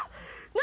何？